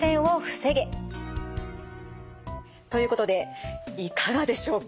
ということでいかがでしょうか。